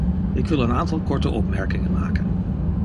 Ik wil een aantal korte opmerkingen maken.